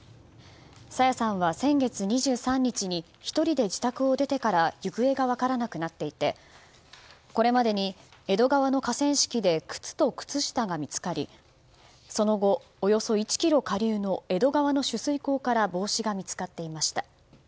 朝芽さんは先月２３日に１人で自宅を出てから行方が分からなくなっていてこれまでに江戸川の河川敷で靴と靴下が見つかりその後、およそ１ｋｍ下流の江戸川の取水口から帽子が見つかっていました。